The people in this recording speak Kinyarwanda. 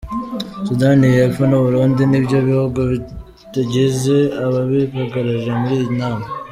Sudani y’Epfo n’u Burundi ni byo bihugu bitagize ababihagararira muri iyi nama.